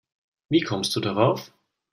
Wie kommst du darauf?